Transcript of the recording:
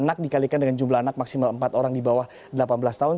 anak dikalikan dengan jumlah anak maksimal empat orang di bawah delapan belas tahun